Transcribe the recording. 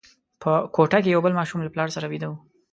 په کوټه کې یو بل ماشوم له پلار سره ویده وو.